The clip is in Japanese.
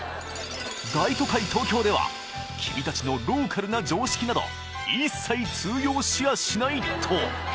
大都会、東京では君たちのローカルな常識など、一切通用しやしないと。